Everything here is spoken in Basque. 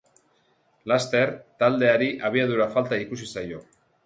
Laster, taldeari abiadura falta ikusi zaio.